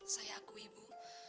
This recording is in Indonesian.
saya aku ibu